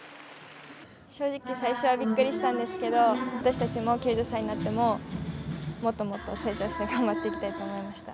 正直、最初はびっくりしたんですけど、私たちも９０歳になっても、もっともっと成長して、頑張っていきたいと思いました。